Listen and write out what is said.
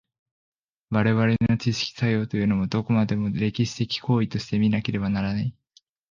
我々の知識作用というも、どこまでも歴史的行為として見られねばならない。